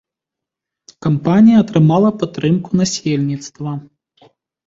Кампанія атрымала падтрымку насельніцтва.